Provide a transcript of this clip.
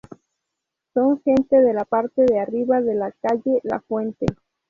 Son gente de la parte de arriba de la Calle La Fuente.